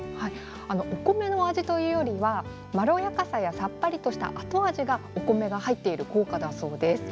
お米の味というよりはまろやかさやさっぱりとした後味がお米が入っている効果だそうです。